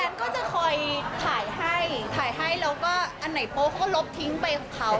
ชอบค่ะชอบค่ะคุณแฟนก็จะคอยถ่ายให้ถ่ายให้แล้วก็อันไหนโป๊ะเขาก็ลบทิ้งไปของเขา